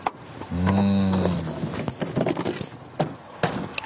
うん？